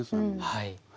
はい。